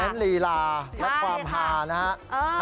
ลีลาและความหานะครับ